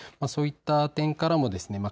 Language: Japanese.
そういった点からもですね